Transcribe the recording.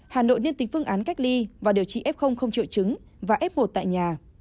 hà nội nên tính phương án cách ly và điều trị f triệu chứng và f một tại nhà